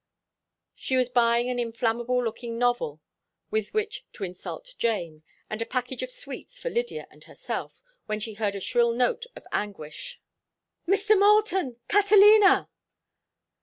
She was buying an inflammable looking novel with which to insult Jane, and a package of sweets for Lydia and herself, when she heard a shrill note of anguish: "Mr. Moulton! Catalina!"